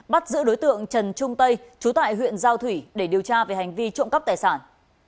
bắt giữ đối tượng trần trung tây trú tại huyện giao thủy để điều tra về hành vi trộm cắp tài sản